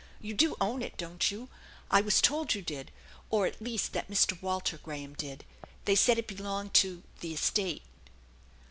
You do own it, don't you ? I was told you did, or at least that Mr. Walter Graham did. They said it belonged to ' the estate.'